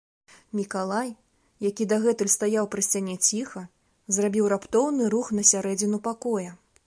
Мікалай, які дагэтуль стаяў пры сцяне ціха, зрабіў раптоўны рух на сярэдзіну пакоя.